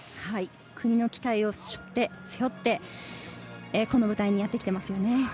国の期待を背負って、背負って、この舞台にやってきていますね。